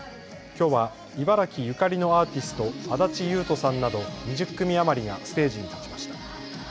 きょうは茨城ゆかりのアーティスト、安達勇人さんなど２０組余りがステージに立ちました。